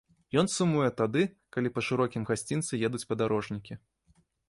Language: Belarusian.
Ён сумуе тады, калі па шырокім гасцінцы едуць падарожнікі.